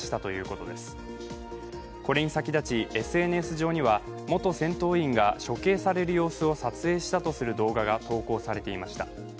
これに先立ち、ＳＮＳ上には、元戦闘員が処刑される様子を撮影したとする動画が投稿されていました。